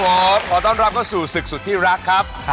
สวัสดีครับพอต้อนรับเข้าสู่ศึกสุดที่รักครับ